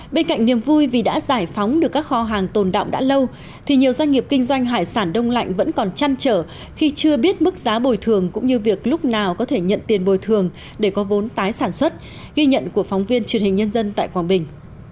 bên cạnh niềm vui vì đã giải phóng được các kho hàng tồn động đã lâu thì nhiều doanh nghiệp kinh doanh hải sản đông lạnh vẫn còn chăn trở khi chưa biết mức giá bồi thường cũng như việc lúc nào có thể nhận tiền bồi thường để có vốn tái sản xuất ghi nhận của phóng viên truyền hình nhân dân tại quảng bình